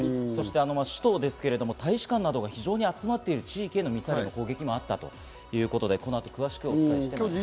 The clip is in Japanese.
首都ですけれども、大使館などが集まっている地域へのミサイル攻撃もあったということで、この後詳しくお伝えします。